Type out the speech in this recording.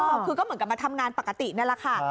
เออคือก็เหมือนกับมาทำงานปกตินี้ละค่ะ